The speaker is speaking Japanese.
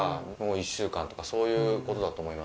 １週間とかそういう事だと思いますけどね。